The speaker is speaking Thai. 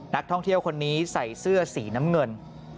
นักท่องเที่ยวคนนี้ใส่เสื้อสีน้ำเงิน